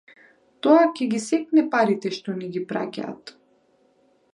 Тоа ќе ги секне парите што ни ги праќаат